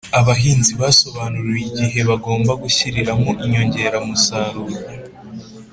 abahinzi basobanuriwe igihe bagomba gushyiriramo inyongera musaruro